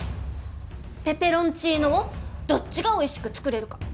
ペペロンチーノをどっちがおいしく作れるか。